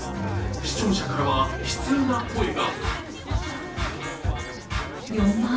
視聴者から悲痛な声が。